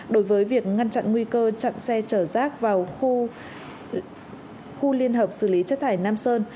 đối với việc ngăn chặn nguy cơ chặn xe chở rác vào khu liên hợp xử lý chất thải nam sơn